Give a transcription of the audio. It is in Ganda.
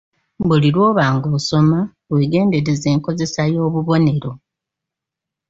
Buli lwoba ng’osoma, weegendereze enkozesa y’obubonero.